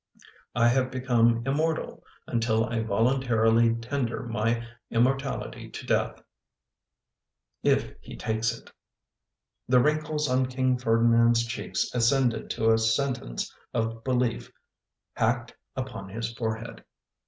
I have become immortal until I volun tarily tender my immortality to death, if he takes it." The wrinkles on King Ferdinand's cheeks ascended to a sentence of belief hacked upon his forehead.